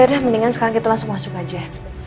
ya mendingan sekarang kita langsung masuk aja